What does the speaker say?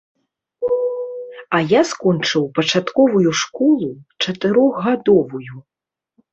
А я скончыў пачатковую школу, чатырохгадовую.